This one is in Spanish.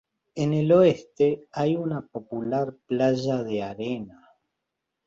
En el oeste, hay una popular playa de arena.